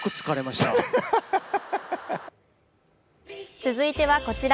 続いては、こちら。